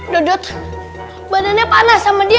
dodot badannya panas sama dia